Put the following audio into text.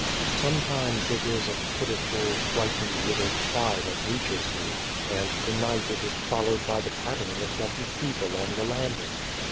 Sometimes it is a pitiful, frightened little cry that reaches me, and to night it is followed by the pattering of dumpy feet along the landing.